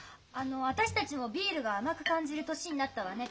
私たちもビールが甘く感じる年になったわね